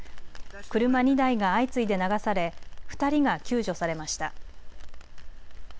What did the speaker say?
車２台が相次いで流され２人が救助されました。